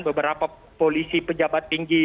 beberapa polisi pejabat tinggi